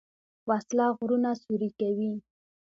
وسله غرونه سوری کوي